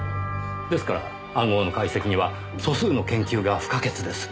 ですから暗号の解析には素数の研究が不可欠です。